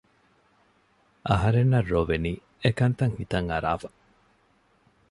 އަހަރެންނަށް ރޮވެނީ އެކަންތައް ހިތަށް އަރާފަ